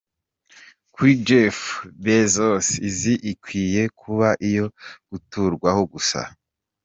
Kuri Jeff Bezos isi ikwiye kuba iyo guturwaho gusa.